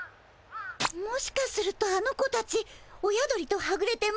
もしかするとあの子たち親鳥とはぐれて迷子なのかも。